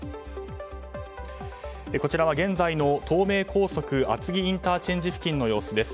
こちらは現在の東名高速厚木ＩＣ付近の様子です。